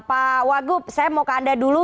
oke pak wagup saya mau ke anda dulu